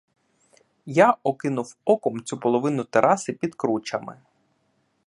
Я окинув оком цю половину тераси під кручами.